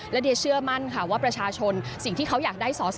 และเดียเชื่อมั่นค่ะว่าประชาชนสิ่งที่เขาอยากได้สอสอ